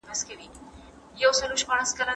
لوستې مور د ؛خوړو پر وخت نظم ساتي.